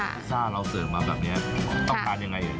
อุตส่าห์เราเสริมมา